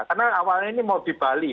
karena awalnya ini mau di bali